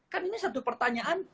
kan ini satu pertanyaan